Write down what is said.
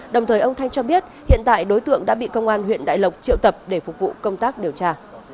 đồng thời ông thanh cho biết hiện tại đối tượng đã bị công an huyện đại lộc triệu tập để phục vụ công tác điều tra